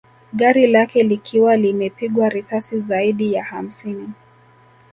Gari lake likiwa limepigwa risasi zaidi ya hamsini